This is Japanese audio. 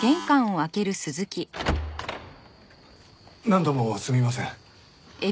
何度もすみません。